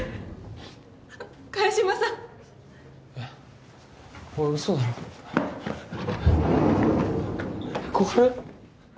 萱島さんえっおい嘘だろ小春？